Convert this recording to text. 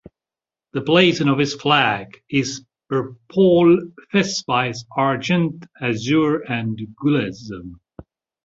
The blazon of this flag is "per pall fesswise Argent, Azure, and Gules".